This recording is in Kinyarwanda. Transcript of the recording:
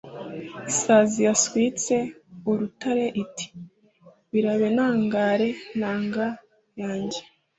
Isazi yaswitse urutare iti: birabe ntangare ntanga yanjye